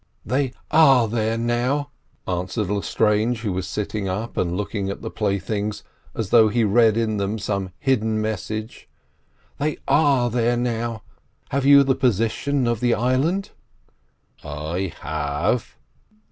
"They are there now," answered Lestrange, who was sitting up and looking at the playthings as though he read in them some hidden message. "They are there now. Have you the position of the island?" "I have.